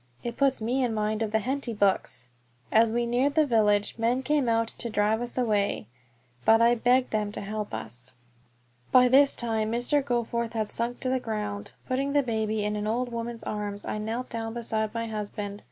It puts me in mind of the Henty books!" As we neared the village men came out to drive us away, but I begged them to help us. By this time Mr. Goforth had sunk to the ground. Putting the baby in an old woman's arms, I knelt down beside my husband.